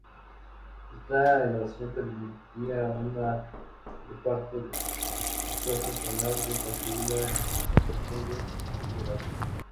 Esta innovación permitía un reparto de esfuerzos, además de conseguir la sensación de ligereza.